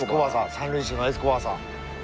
三塁手のエスコバーさん。